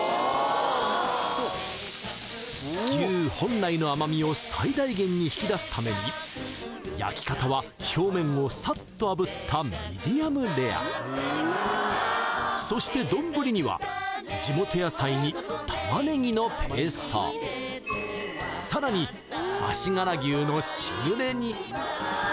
牛本来の甘みを最大限に引き出すために焼き方は表面をさっとあぶったミディアムレアそして丼には地元野菜に玉ねぎのペーストさらに足柄牛のしぐれ煮